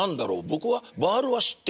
僕はバールは知っている。